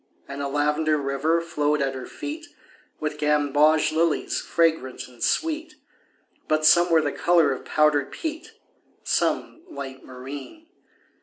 And a lavender river flowed at her feet With gamboge lilies fragrant and sweet, But some were the color of powdered peat, Some light marine.